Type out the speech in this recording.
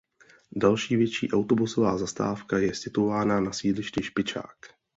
Další větší autobusová zastávka je situována na sídlišti Špičák.